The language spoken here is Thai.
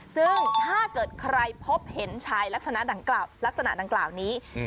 ซึ่งถ้าเกิดใครพบเห็นชายลักษณะดังกล่าวลักษณะดังกล่าวนี้